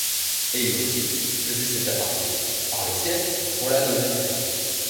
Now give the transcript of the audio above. Et Ursus faisait cet aparté: — Par le ciel, voilà d’honnêtes gens.